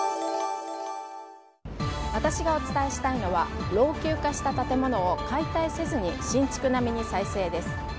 私がお伝えしたいのは老朽化した建物を解体せずに新築並みに再生です。